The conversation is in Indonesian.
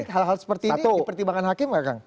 hal hal seperti ini dipertimbangkan hakim nggak kang